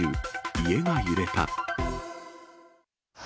家が揺れた。